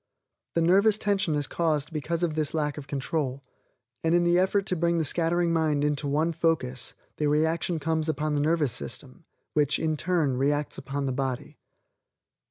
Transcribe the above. The nervous tension is caused because of this lack of control, and in the effort to bring the scattering mind into one focus the reaction comes upon the nervous system which, in turn, reacts upon the body.